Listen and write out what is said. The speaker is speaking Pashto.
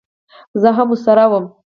زه هم ورسره وم.